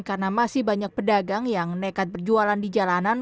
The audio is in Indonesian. karena masih banyak pedagang yang nekat berjualan di jalanan